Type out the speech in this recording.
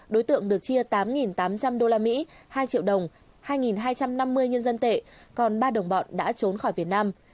đối tượng được chia tám tám trăm linh usd hai triệu đồng hai hai trăm năm mươi nhân dân tệ còn ba đồng bọn đã trốn khỏi việt nam